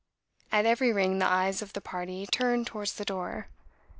At every ring the eyes of the party turned towards the door.